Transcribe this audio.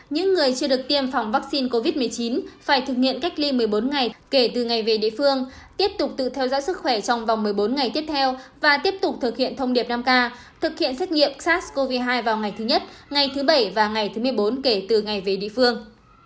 những người chưa được tiêm phòng vaccine covid một mươi chín phải thực hiện cách ly một mươi bốn ngày kể từ ngày về địa phương tiếp tục tự theo dõi sức khỏe trong vòng một mươi bốn ngày tiếp theo và tiếp tục thực hiện thông điệp năm k thực hiện xét nghiệm sars cov hai vào ngày thứ nhất ngày thứ bảy và ngày thứ một mươi bốn kể từ ngày về địa phương